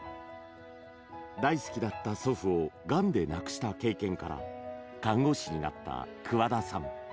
大好きだった祖父をがんで亡くした経験から看護師になった桑田さん。